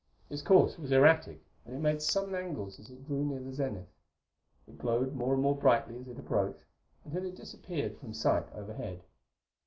Its course was erratic, and it made sudden angles as it drew near the zenith. It glowed more and more brightly as it approached until it disappeared from sight overhead.